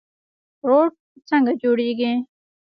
روټ څنګه جوړیږي؟